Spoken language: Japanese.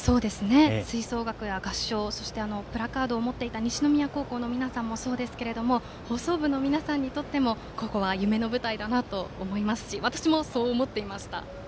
吹奏楽や合唱そしてプラカードを持っていた西宮高校の皆さんもそうですけれども放送部の皆さんにとってもここは夢の舞台だなと思いますし私も、そう思っていました。